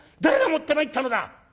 誰が持ってまいったのだ！』」。